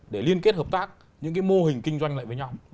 để liên kết hợp tác những cái mô hình kinh doanh lại với nhau